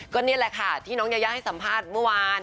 ก็นี่แหละค่ะที่น้องยายาให้สัมภาษณ์เมื่อวาน